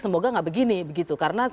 semoga gak begini karena